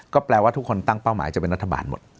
ก็แปลว่าทุกคนตั้งเป้าหมายจะเป็นรัฐบาลหมด